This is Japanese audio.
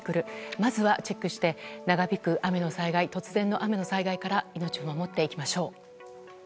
まずはチェックして長引く雨の災害突然の雨の災害から命を守っていきましょう。